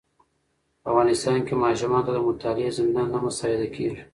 په افغانستان کې ماشومانو ته د مطالعې زمینه نه مساعده کېږي.